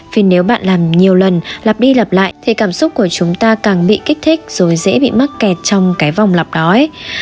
vì nếu bạn làm nhiều lần lặp đi lặp lại thì cảm xúc của chúng ta càng bị kích thích rồi dễ bị mắc kẹt trong cái vòng lọc đói